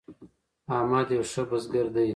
احمد یو ښه بزګر دی.